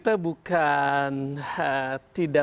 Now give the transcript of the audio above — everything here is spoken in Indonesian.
sekali lagi bukan mengungkap soal ktp ya enggak